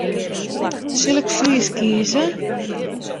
Sil ik Frysk kieze?